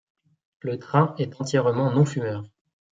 Le train est entièrement non-fumeur.